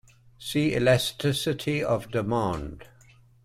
See Elasticity of demand.